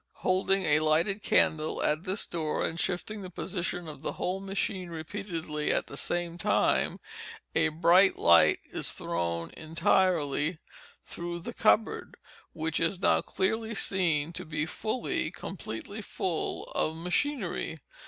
Holding a lighted candle at this door, and shifting the position of the whole machine repeatedly at the same time, a bright light is thrown entirely through the cupboard, which is now clearly seen to be full, completely full, of machinery.